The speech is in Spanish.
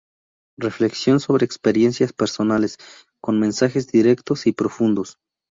Reflexión sobre experiencias personales con mensajes directos y profundos.